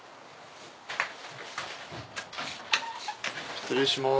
失礼します。